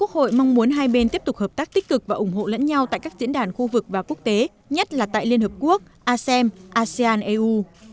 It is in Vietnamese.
hai bên tiếp tục hợp tác tích cực và ủng hộ lẫn nhau tại các diễn đàn khu vực và quốc tế nhất là tại liên hợp quốc asean asean eu